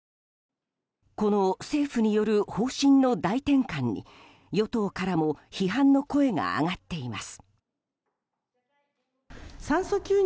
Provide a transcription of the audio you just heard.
この政府による方針の大転換に与党からも批判の声が上がっています。